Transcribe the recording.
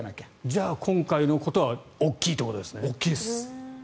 じゃあ、今回のことは大きいということですね。